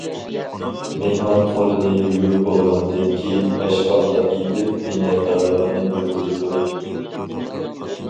مېھمان قولىنى يۇيۇپ بولغاندىن كېيىن ھەشقاللا ئېيتىپ مىننەتدارلىقىنى بىلدۈرىدۇ.